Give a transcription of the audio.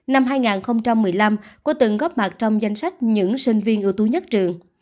năm hai nghìn một mươi năm của từng góp mặt trong danh sách những sinh viên ưu tú nhất trường